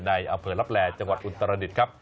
ในอำเภอลับแลจังหวัดอุตรดิษฐ์ครับ